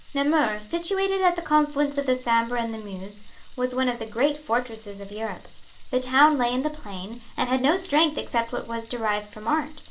Namur, situated at the confluence of the Sambre and the Meuse, was one of the great fortresses of Europe. The town lay in the plain, and had no strength except what was derived from art.